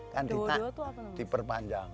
kan di perpanjang